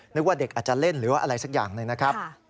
นึกว่าเด็กอาจจะเล่นหรือว่าอะไรสักอย่างหนึ่งนะครับ